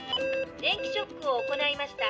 「電気ショックを行いました」